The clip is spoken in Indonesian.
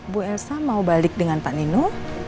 bu elsa mau balik dengan pak nino